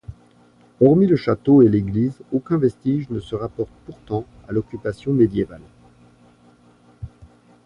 Hormis le château et l'église aucun vestige ne se rapporte pourtant à l'occupation médiévale.